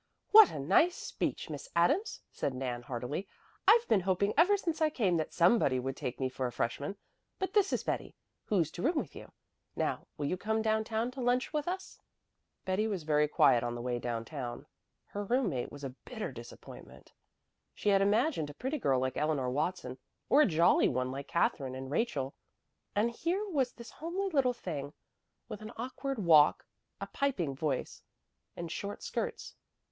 "What a nice speech, Miss Adams!" said Nan heartily. "I've been hoping ever since I came that somebody would take me for a freshman. But this is Betty, who's to room with you. Now will you come down town to lunch with us?" Betty was very quiet on the way down town. Her roommate was a bitter disappointment. She had imagined a pretty girl like Eleanor Watson, or a jolly one like Katherine and Rachel; and here was this homely little thing with an awkward walk, a piping voice, and short skirts.